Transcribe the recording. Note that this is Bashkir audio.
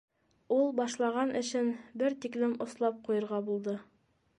Ул башлаған эшен бер тиклем ослап ҡуйырға булды.